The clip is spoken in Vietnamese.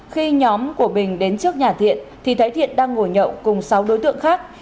khi nhóm của bình đến trước nhà thiện thì thấy thiện đang ngồi nhậu cùng sáu đối tượng khác